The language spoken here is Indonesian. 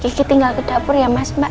masih tinggal ke dapur ya mas mbak